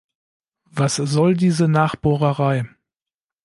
Was soll diese Nachbohrerei?